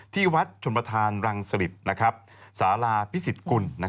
ที่วัดชมภาษารังสฤทธิ์สาราพิศิษฐกุล